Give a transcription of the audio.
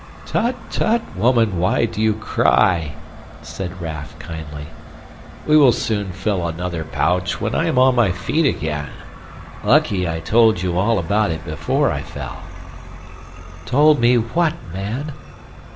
"Tut, tut, woman, why do you cry?" said Raff kindly. "We will soon fill another pouch when I am on my feet again. Lucky I told you all about it before I fell." "Told me what, man?"